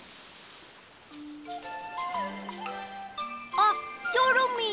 あっチョロミー。